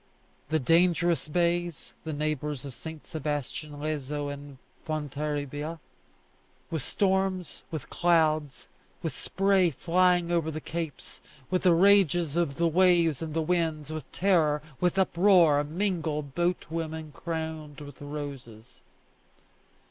The dangerous bays the neighbours of St. Sebastian, Leso, and Fontarabia with storms, with clouds, with spray flying over the capes, with the rages of the waves and the winds, with terror, with uproar, mingle boat women crowned with roses.